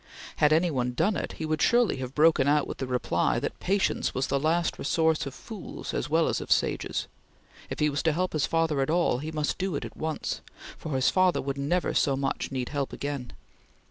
Had any one done it, he would surely have broken out with the reply that patience was the last resource of fools as well as of sages; if he was to help his father at all, he must do it at once, for his father would never so much need help again.